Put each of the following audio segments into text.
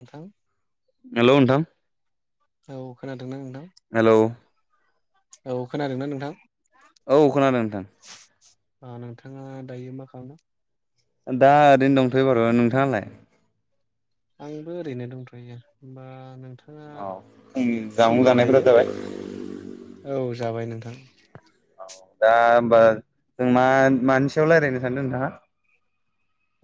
नोंथां। हेल' नोंथां। औ खोनादोंना नोंथां। हेलौ औ औ खोनादोंना नोंथां? औ खोनादों नोंथां। ओ नोंथाङा दायो मा खालामदों? दा ओरैनो दंथ'यो बारू नोंथाङालाय? आंबो ओरैनो दंथ'यो होनबा नों थांङा औ फुंनि फ्रि जामुं बा जानायफोरा दायो जाबाय औ जाबाय नोंथां। [inaudible] दा होनबा जों मा मानि सायाव रायज्लायनो सानदों नोंथाङा।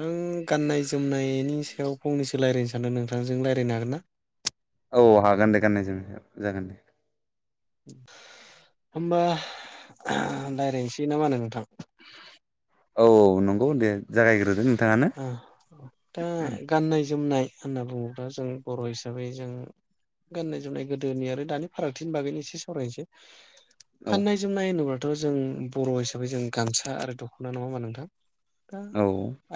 आं गाननाय जोमनायनि सायाव फंनैसो रायलायनो सानदों नोंथांजों रायलायनो हागोन ना? औ हागोन दे गाननाय जोम जागोन दे। होमबा [unintelligible] रायलायनोसै ना मा होनो नोंथां। औ नंगौ दे जागायग्रोदो। नोंथाङानो आह ओ दा गाननाय-जोमनाय होनना बुङोब्ला जों बर' हिसाबै जों गाननाय जोमनाय गोदोनि आरो दानि फारागथिनि बागैनो एसे सावरायनोसै। औ गाननाय जोमनाय होनोब्ला थ' जों बर' हिसाबै जों गामसा आरो दख'ना नङा होमबा नोंथां। दा औ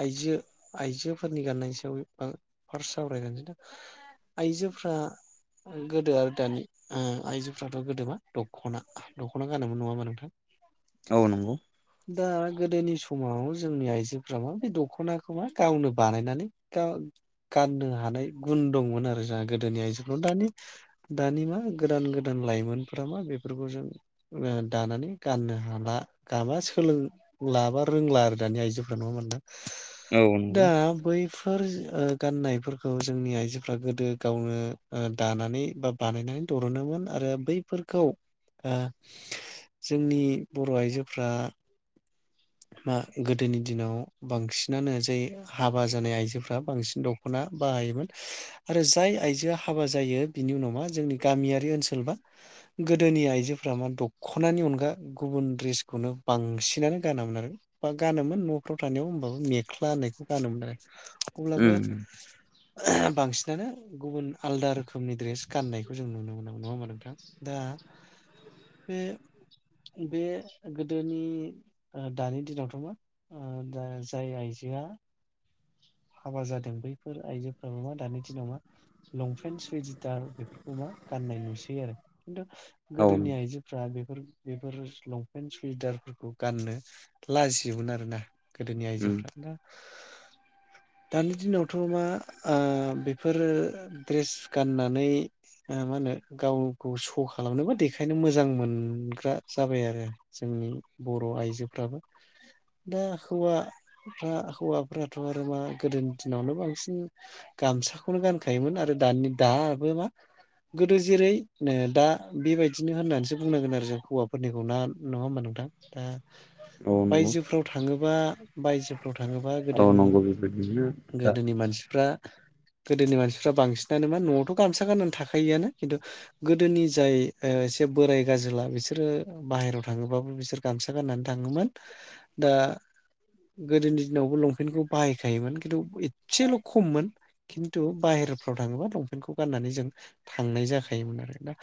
आइजो आइजोफोरनि गाननायनि सायाव आं फार्स्टआव सावरायग्रोनोसै नोंथां आइजोफ्रा गोदो आरो दानि ओ आइजोफ्राथ' गोदो मा दख'ना दख'ना गानोमोन नङाहोनबा नोंथां औ नंगौ। दा गोदोनि समाव जोंनि आइजोफ्रा बै द ख'नाखौ मा गावनो बानायनानै गा गाननो हानाय गुन दंमोन आरो जोंहा गोदोनि आइजोफोराव दानि दानि मा गोदान गोदान लाइमोनफोरा मा बेफोरखौ जों दानानै गाननो हाला गाबा सोलोंला बा रोंला आरो दानि आइजोफ्रा नङा होमबा नोंथां? औ नंगौ दा बै फोर ओ गाननायफोरखौ जोंनि आइजोफ्रा गोदो गावनो ओ दानानै बा बानायनानै दरोनोमोन आरो बैफोरखौ आ जोंनि बर' आइजोफ्रा मा गोदोनि दिनाव बांसिनानो जाय हाबा जानाय आइजोफ्रा बांसिन दख'ना बाहायोमोन आरो जाय आइजोआ हाबा जायो बिनि उनाव मा जोंनि गामियारि ओनसोलबा गोदोनि आइजोफ्रा मा दख'नानि अनगा गुबुन द्रेसखौनो बांसिनानो गानामोमोन आरो बा गानोमोन न'फ्राव थानायाव होमबाबो मेख्ला होननायखौ गानोमोन आरो। अब्लाबो उम [unintelligible] बांसिनानो गुबुन आलदा रो खोमनि ड्रेस गाननायखौ जों नुनो मोनो नङा होनबा नोंथां दा बे बे गोदोनि दानि दिनावथ' मा। आ जा जाय आयजोआ हाबा जादों बैफोर आइजोफ्राबो मा दानि दिनाव मा लंपेन्ट सुइदार बेफोरखौ मा गाननाय नुसै आरो। खिन्थु औ उम गोदोनि आइजोफ्रा बे- फोर बेफोर लंपेन्ट सुइदारफोरखौ गाननो लाजियोन आरोना। गोदोनि आइजोफ्रा दा। दानि दिनावथ' मा ओ बेफोरो ड्रेस गाननानै ओ मा होनो गावखौ स' खालामनोबो देखायनो मोजां मोनग्रा जाबाय आरो जोंनि बर' आइजोफ्राबो दा हौवाफ्रा हौवाफ्राथ' आरो मा। गोदोनि दिनावनो बांसिन गामसाखौनो गानखायोमोन आरो दानि दाबो मा गोदो जेरै दा बेबायदिनो होननानैसो बुंनांगोन आरो जों हौवाफोरनिखौ ना नङा होमबा नों [unintelligible] दा औ नंगौ बायजोफोराव थाङो बा बायजो। [unintelligible] थाङोबा औ गोदोनि नंगौ बेबायदिनो दा गोदोनि मानसिफ्रा गोदोनि मानसिफ्रा बांसिनानो मा न'आवथ' गामसा गाननानै थाखायोआनो खिन्थु गोदोनि जाय एसे बोराय गाजोला बिसोरो बाहेरायाव थाङोबाबो बिसोर गामसा गाननानै थाङोमोन दा गोदोनि दिनावबो लंपेन्टखौ बाहायखायोमोन खिन्थु एसेल' खममोन खिन्थु बाहेरफ्राव थाङोबा लंपेन्टखौ गाननानै जों थांनाय जाखायोमोन आरो दा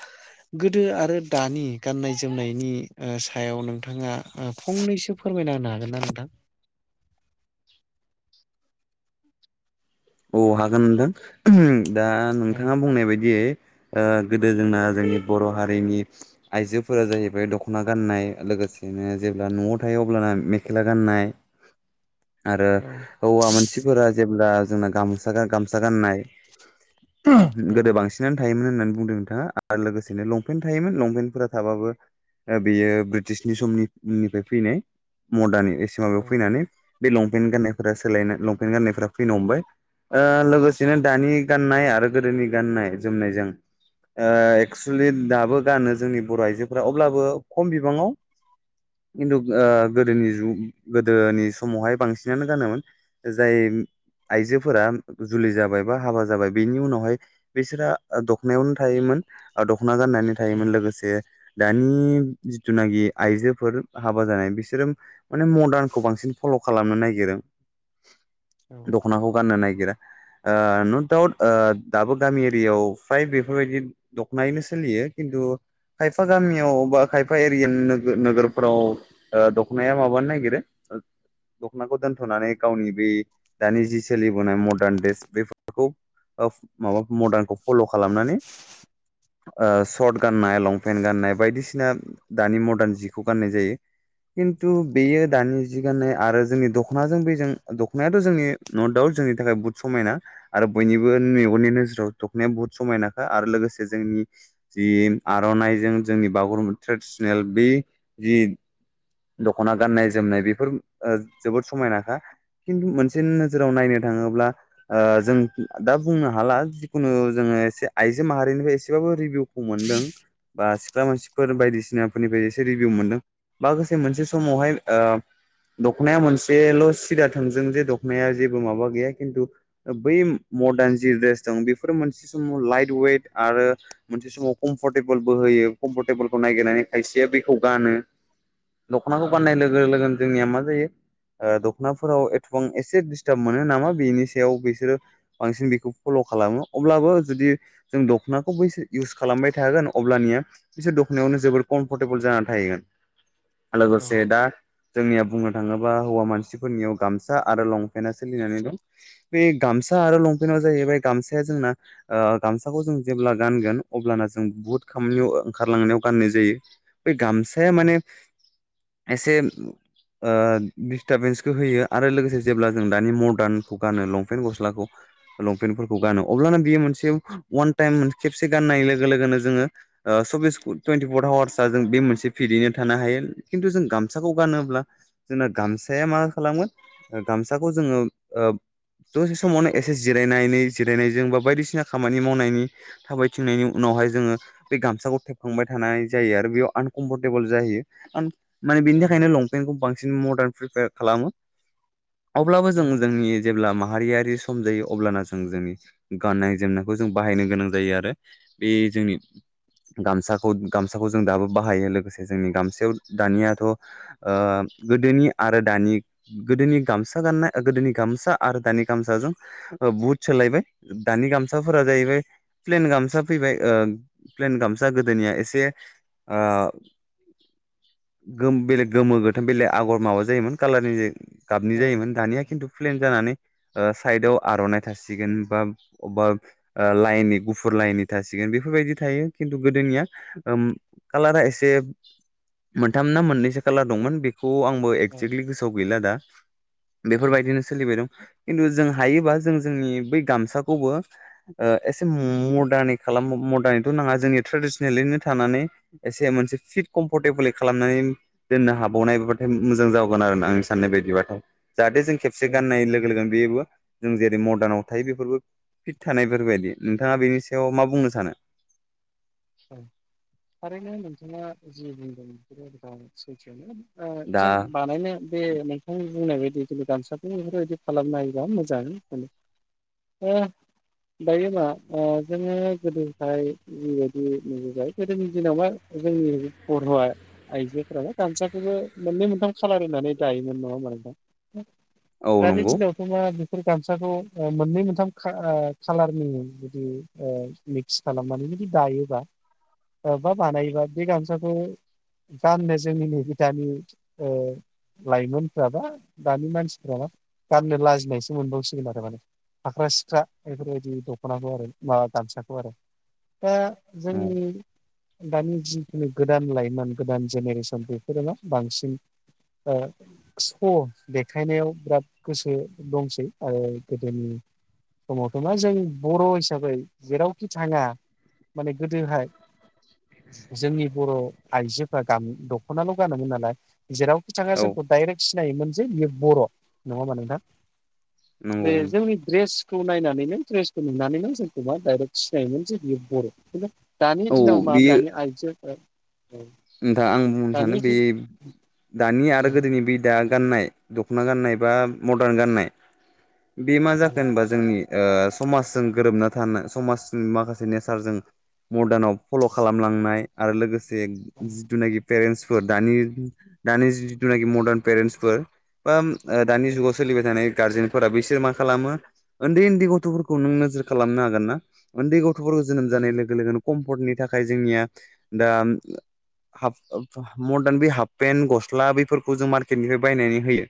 गोदो आरो दानि गाननाय जोमनायनि ओ सायाव नोंथाङा आ फंनैसो फोरमायना होनो हागोन ना नोंथां? औ हागोन नोंथां [unintelligible] दा औ नोंथाङा बुंनाय बायदियै ओ गोदो जोंना जोंनि बर' हारिनि आइजोफोरा जाहैबाय दख'ना गाननाय लोगोसेनो जेब्ला न'आव थायो अब्लाना मेखेला गाननाय आरो औ हौवा मानसिफोरा जेब्ला जोंना गामसा गा गामसा गाननाय औ गोदो बांसिनानो थायोन होननानै बुंदों नोंथाङा आरो लोगोसेनो लंपेन्ट थायोमोन लंपेन्ट फोर थाबाबो बेयो ब्रिटिशनि समनिनिफ्राय फैनाय र्मदाननि एसे माबायाव औ फैनानै बे लंपेन्ट गाननायफोरा सोलायना लंपेन्ट गाननायफोरा फैनो हमबाय ओ लोगोसेनो दानि गाननाय आरो गोदोनि गाननाय जोमनायजों ओ एक्सुुलि दाबो गानो जोंनि बर' आइजोफोरा अब्लाबो खम बिबाङाव खिन्थु ओ गोदोनि गोदोनि समावहाय बांसिनानो गानोमोन जाय आइजो फोरा जुलि जाबाय बा हाबा जाबाय बेनि उनावहाय बैसोरा आ दख'नायावनो थायोमोन आ द खना गाननानै औ थायोमोन लोगोसे दा नि जिथुनाखि आइजोफोर हाबा जानाय बिसोरो माने मदार्नखौ बांसिन फल' खालामनो नागिरो। औ। दख'नाखौ गाननो नागिरा ओ नथ दाउट ओ दाबो गामि एरियाव फ्राय बेफोरबायदि दख'नायैनो सोलियो खिन्थु खायफा गामियाव बा खायफा एरियान नो नोगोरफ्राव ओ दख'नाया माबानो नागिरो दख'नाखौ दोनथ'नानै गावनि बै दानि जिस सोलिबोनाय मडार्न देस बेफोरखौ ओ माबा मदार्नखौ फल' खालामनानै ओ सट गाननाय लंपेन्ट गाननाय बायदिसिना दानि मदार्न जिखौ गाननाय जायो खिन थु बेयो औ दानि जि आरो जोंनि दख'नाजों बैजों दख'नायाथ' जोंनि नथ दाउट जोंनि थाखाय बुत समायना आरो बैनिबो मेगननि नोजोराव दख'नाया बुत समायनाखा आरो लोगोसे जोंनि जि आर'नाइजों जोंनि बागुरुम ट्रेडिसनेल बि जि दख'ना गाननाय जोमनाय बेफोर ओ जोबोद समायनाखा खिन्थु मोनसे नो जोराव नायनो थाङोब्ला ओ जों दा बुंनो हाला जिखुनु जोङो एसे आइजो माहारिनिफाय एसेबाबो रिभिउखौ मोनदों बा सिख्ला मानसिफोर बायदिसिनाफोरनिफाय से रिभिउ मोनदों बा गोसे मोनसे समावहाय ओ दख'नाया मोनल' सिदा थोंजों दख'नाया जे जेबो माबा गैया खिन्थु बै मदान जि द्रेस दं बेफोरो मोनसे समाव लाइट वेट आरो मोनसे समाव कम्फर्टेबोलबो होयो कम्फर्टेबोलखौ नायगिरनानै खायसेया बैखौ गानो। दख'नाखौ गाननाय लोगो लोगोन जोंनिया मा जायो ओ दख'नाफोराव एथबां एसे दिस थाब मोनो नामा बेनि सायाव बिसोरो बांसिन बेखौ फल' खालामो अब्लाबो जुदि जों दख'नाखौ बैसो इउस खालामबाय थागोन अब्लानिया बिसोर दख'नायावनो जोबोर कमफरटेबोल जाना थायो। औ लोगोसे दा जोंनिया बुंनो थाङोब्ला हौवा मानसिफोरनियाव गामसा आरो लं पेनाआ सोलिनानै दं बे गामसा आरो लंपेन्टाव जाहैबाय गामसाया जोंना गामसाखौ जों जेब्ला गानगोन अब्लाना जों बुहुत खामानियाव ओंखारलांनायाव गाननाय जायो। बै गामसाया औ माने एसे ओ डिस्टाबेन्सखो होयो आरो लोगोसे जेब्ला जों दानि मर्दानखौ गानो लंपेन गस्लाखौ लंपेन्टफोरखौ गानो अब्लाना बियो मोनसे अवान टाइम मोन खेबसे गाननाय लोगो लोगोनो जोङो ओ सबिस टुइन्टिपर आवारआ जों मोनसे पिथैनो थानो हायो खिन्थु जों गामसाखौ गानोबा गामसाया मा खालागोन ओ गामस साखौ जोङो ओ दसे समावनो एसे जिरायनानै जिरायनायजों बा बायदिसिना खामानि मावनायनि थाबायथिंनायनि उनावहाय जोङो बे गामसाखौ थेबखांबाय थानाय जायो आरो बेयाव आनकम्फर्टेबोल जाहैयो माने औ बिनि थाखायनो लंपेन्टखौ बांसिन मदार्न प्रिपाइर खालामो। अब्लाबो जों जोंनि जेब्ला मा हारियारि सम जायो अब्लाना जों जोंनि गाननाय जोमनायखौ जों बाहायनो गोनां जायो आरो बे जोंनि गामसाखौ गामसाखौ जों दाबो बाहायो लोगोसे जोंनि गामसायाव दानियाथ' ओ गोदोनि आरो दानि गोदोनि गामसा गाननाय ओ गोदोनि गामसा आरो दानि गामसाजों बुद सोलायबाय दानि गामसाफोरा जाहैबाय प्लेन गामसा फैबाय ओ प्लेन गामसा गोदोनिया एसे ओ गोम बेलेग गोमो गोथां बेलेग आगर माबा जायोमोन कालारनि जे गाबनि औ जायोमोन दानिया खिन्थु प्लेन जानानै ओ साइदाव आर'नाइ थासिगोन बा अबा ओ लाइननि गुफुर लाइननि थासिगोन बेफोरबायदि थायो खिन्थु गोदोनिया ओम कालारा एसे मोनथाम ना मोननैसो खाालार दंमोन बे खौ आंबो औ एगजेक्टलि गोसोआव गैला दा। बेफोरबायदिनो सोलिबाय दं। खिन्थु जों हायोबा जों जोंनि बै गामसाखौबो ओ एसे मडार्न खालाम मदानैथ' नाङा जोंनि ट्रेडिसनेेलनो थानानै एसे मोनसे फिट कम्फरटेबोल खालामनानै दोननो हाबावनाय बेबाथाय मोजां जावगोन आरो आंनि साननाय बायदिबाथ'। जाहाथे जों खेबसे गाननाय थारैनो लोगो लोगोनो बेबो जों जेरै मदार्नाव थायो बेफोरबो फिट थानायफोरबायदि नोंथाङा बेनि याव मा बुंनो सानो औ थारैनो नोंथाङा जि बुंदों बेफोर सैथोआनो दा जों बानायनो बे नोंथां बुंनाय बायदि जों गामसाखौ बेफोरबायदि खालामनो हायोबा मोजां दायोबा जोङो गोदोहायबाय ज जायो गोदोनि दिनावबा जोंनि बर'आ आइजोफोराबा गामसाखौबो मोननै मोनथाम खालार होननानै दायोमोन नङा माने दा औ दानि नंगौ दिनावथ' मा बेफोर गामसाखौ मोननै मोनथाम खालारनि जुदि मिक्स खालामनानै जुदि दायो बा बानायबा बे गामसाखौ गाननो जोंनि नैबे दानि लाइमोनफ बा दानि मानसिफ मा गाननो लाजिनायसो मोनबावसिगोन आरो माने हाख्रा सिख्रा बेफोरबायदि दख'नाखौ आरो माबा गामसाखौ आरो दा औ जोंनि दानि जिखुनु गोदान लाइमोन गोदान जेनेरेसन बेफोरोना बांसिन स' देखायनायाव बिराद गोसो दंसै आरो गोदोनि समावथ' मा जों बर' हिसाबै जेरावखि थाङा माने गोदोहाय जोंनि बर' आइजो गाम दख'नाल' गानोमोन नालाय जेरावखि थाङा औ जोंखौ डाइरेक्ट सिनायोमोन जे बियो बर' नङामा होनबा नोंथां बे नंगौ जोंनि द्रेस खौ नायनानैनो ड्रेसखौ नुनानैनो जोंखौ मा डाइरेक्ट सिनायोमोन जे बियो बर' बि दानि औ दिनाव मा बेयो दानि आइजोफोर औ नोंथां आं बुंनो सानो बे दा नि आरो औ गोदोनि बि दा गाननाय दख'ना गाननाय बा मदार्न गाननाय बे मा जाखो होनबा जोंनि ओ समाजजों गोरोबना थानो समाजनि माखासे नेचारजों मदार्नाव फल' खालामलांनाय आरो लोगोसे जिथुनेखि पेरन्स फोर द दानि जिथुनाखि मदार्न पेरेन्टसफोर बा ओ औ दानि जुगाव सोलिबाय थानाय गारजेन फोरा बिसोर मा खालामो उन्दै उन्दै गथ'फोरखौ नों नोजोर खालामनो हागोन ना उन्दै गथ' जोनोम जानाय लोगो लोगोन कम्फर्टनि थाखाय जोंनिया दा हाफ मदार्न बे हाफ पेन्ट गस्ला बेफोरखौ जों मार्केटनिफ्राय बायनानै होयो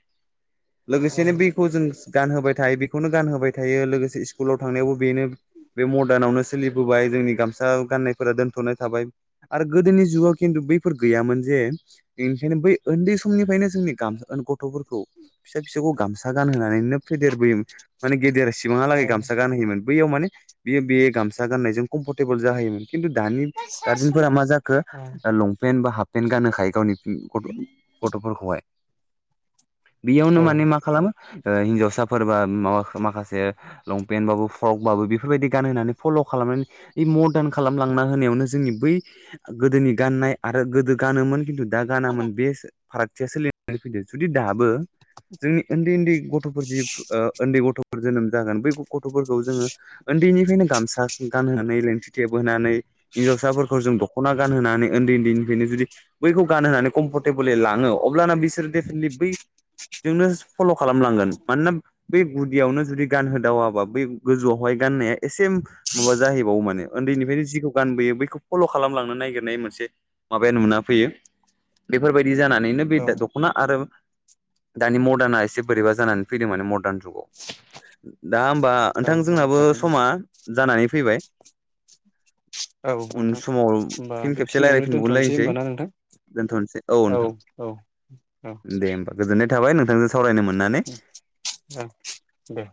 लोगोसेनो बेखौ जों गान होबाय थायो बेखौनो गान होबाय थायो लोगोसे स्कुलाव थांनायावबो बेनो बे मदार्नावनो सोलिबोबाय जोंनि गामसा गाननायफोरा दोनथ'नाय थाबाय आरो गोदोनि जुगाव खिन्थु बैफोर गैयामोन जे निखायनो बै उन्दै समनिफ्रायनो जोंनि गामसा ओं गथ'फोरखौ फिसा फिसौखौ गामसा सागान होना नो फेदेरबोयोन माने गेदेर औ सिमांहालागै गामसा गानहोयोमोन बैयाव माने बियो बे गामसा गाननायजों कम्फरटेबोल जाहैयोमोन खिन्थु दानि गारजेनफोरा मा जाखो लंपेन्ट बा हाफ पेन्ट गानहोखायो गावनि [unintelligible] बेयावनो माने मा खालामो ओ हिनजावसाफोरबा माबा माखासे लंपेन्ट बाबो फ्रकबाबो बेफोरबायदि गानहोनानै फल' खालामनानै ओइ मदार्न खालामलांना होनायावनो जोंनि बै गोदोनि गाननाय आरो गोदो गानोमोन खिन्थु दा गानामोन बेसो फारागथिया सोलिनानै फैदों जुदि दाबो जोंनि उन्दै उन्दै गथ'फोर जि ओ उन्दै गथ'फोर जोनोम जागोन बै ग गथ'फोरखौ जोङो उन्दैनिफ्रायनो गामसा गानहोनानै लेंथि थेबहोनानै हिनजावसाफोरखौ जों दख'ना गानहोनानै उन्दै उन्दैनिफ्रायनो जुदि बैखौ गानहानै कम्फर्टेबोलि लाङो अब्लानो बिसोरो देफिनेटलि बैजोंनो फल' खालामलांगोन मानोना बै गुदियावनो जुदि गानहोदावाबा बै गोजौआवहाय गाननाया एसे माबा जाहैबावो माने उन्दैनिफ्रायनो जिखौ गानबोयो बैखौ फल' खालामलांनो नागिरनाय मोनसे माबायानो मोना फैयो बेफोरबायदि दि जानानैनो बे औ दख'ना आरो दानि मडार्ना एसे बोरैबा जानानै फैदों मे मडार्न दा होनबा नोंथां जोंनाबो समा जानानै फैबाय औ उन नोंथां समाव होनबा फिन खेबसे बेखिनियावनो दोन दथ'नोसै रायज्लायफिनबावलायनोसै होनबा ना नोंथां दोनथ'नोसै औ नोंथां औ औ ननाय थाबाय नोंथां औ दे